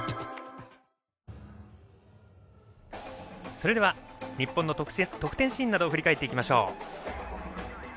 それでは日本の得点シーンなどを振り返っていきましょう。